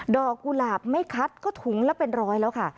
กุหลาบไม่คัดก็ถุงละเป็นร้อยแล้วค่ะ